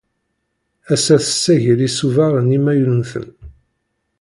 Ass-a, tessagel isubar d imaynuten.